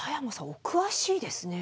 お詳しいですね。